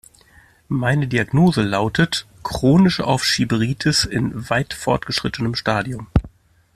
Meine Diagnose lautet chronische Aufschieberitis in weit fortgeschrittenem Stadium.